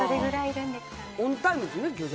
オンタイムですよね、今日。